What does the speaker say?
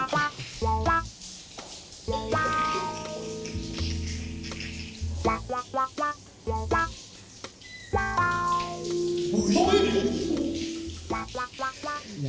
โห